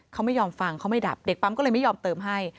เขาไม่ยอมฟังเขาไม่ดับเด็กปั๊มก็เลยไม่ยอมเติมให้